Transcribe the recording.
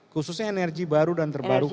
khususnya energi baru dan terbarukan